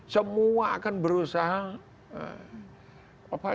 semua akan berusaha